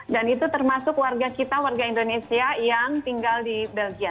dan itu termasuk warga kita warga indonesia yang tinggal di belgia